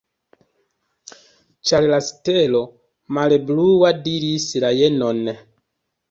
Ĉar la stelo, mare blua, diris la jenon.